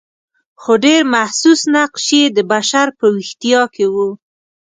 خو ډېر محسوس نقش یې د بشر په ویښتیا کې و.